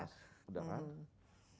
sekarang kita coba di puskesmas